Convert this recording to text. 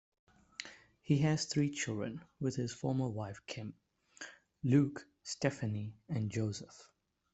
He has three children with his former wife Kim; Luke, Stephanie and Joseph.